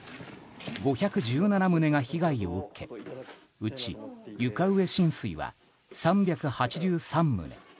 ５１７棟が被害を受けうち、床上浸水は３８３棟。